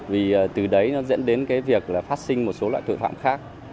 vì từ đấy nó dẫn đến cái việc là phát sinh một số loại tội phạm khác